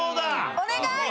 お願い！